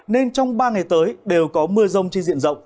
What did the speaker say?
nên trong ba ngày tới đều có mưa rông trên diện rộng